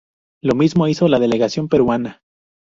Lo mismo hizo la delegación peruana.